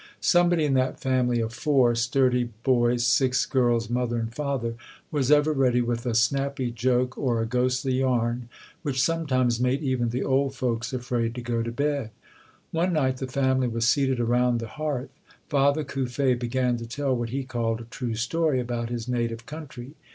Somebody in that family of four sturdy boys, six girls, mother and father, was ever ready with a snappy joke, or a ghostly yarn which sometimes made even the old folks afraid to go to bed. One night the family was seated around the hearth. Father Cuffe began to tell what he called a true story about his native country.